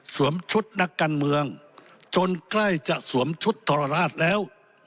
ชุดนักการเมืองจนใกล้จะสวมชุดทรราชแล้ว